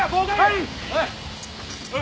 はい。